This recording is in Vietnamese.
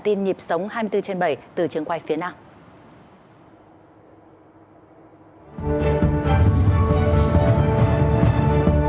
tin nhịp sống hai mươi bốn trên bảy từ trường quay phía nào ừ ừ